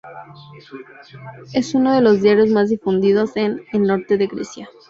Es uno de los diarios más difundidos en el norte de Grecia.